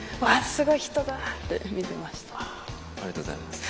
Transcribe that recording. すごい人だ！と見てました。